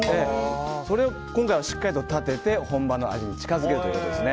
それを今回はしっかり立てて本場の味に近づけます。